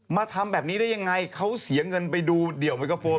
ทำแบบนี้ได้ยังไงเขาเสียเงินไปดูเดี่ยวไมโครโฟน